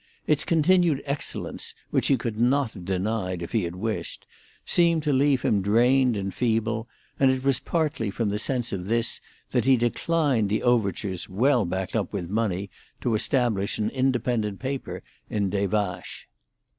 Its continued excellence, which he could not have denied if he had wished, seemed to leave him drained and feeble, and it was partly from the sense of this that he declined the overtures, well backed up with money, to establish an independent paper in Des Vaches.